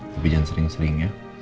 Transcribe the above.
tapi jangan sering sering ya